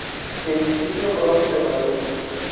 Edificio Bronce de Madrid.